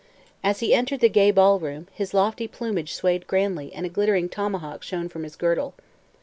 As he entered the gay ball room, his lofty plumage swayed grandly and a glittering tomahawk shone from his girdle.